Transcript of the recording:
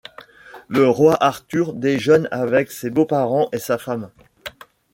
Le roi Arthur déjeune avec ses beaux-parents et sa femme.